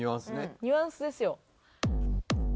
ニュアンスですよ？